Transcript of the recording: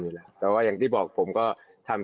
อยู่แล้วแต่พี่บอกผมก็ทำ